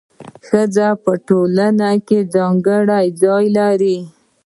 ښځه په ټولنه کي ځانګړی ځای لري.